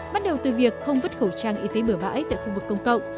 bắt đầu từ việc không vứt khẩu trang y tế bửa bãi tại khu vực công cộng